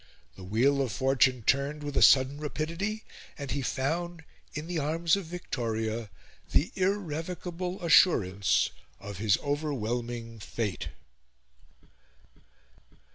The wheel of fortune turned with a sudden rapidity; and he found, in the arms of Victoria, the irrevocable assurance of his overwhelming fate.